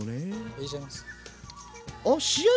入れちゃいます。